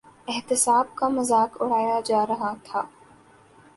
احتساب کا مذاق اڑایا جا رہا تھا۔